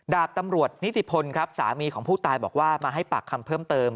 ดาบตำรวจนิติพลครับสามีของผู้ตายบอกว่ามาให้ปากคำเพิ่มเติม